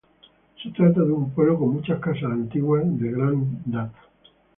Se trata de un pueblo con muchas casas antiguas de gran data.